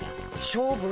勝負？